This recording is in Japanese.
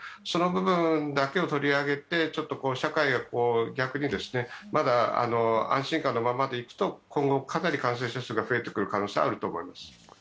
その部分だけを取り上げて社会が逆にまだ安心感のままでいくと、今後、かなり感染者数が増えてくる可能性があると思います。